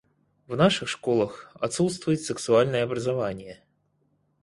В наших школах отсутствует сексуальное образование.